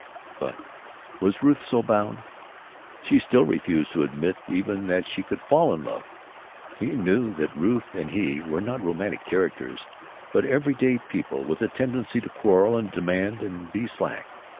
But—was Ruth so bound? She still refused to admit even that she could fall in love. He knew that Ruth and he were not romantic characters, but every day people with a tendency to quarrel and demand and be slack.